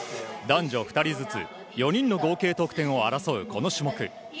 男女２人ずつ４人の合計得点を争うこの種目。